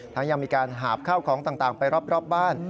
ยังมีการหาบข้าวของต่างไปรอบบ้าน